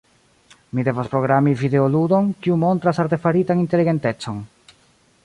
Mi devas programi videoludon, kiu montras artefaritan inteligentecon.